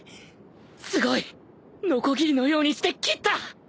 すごい！のこぎりのようにして斬った！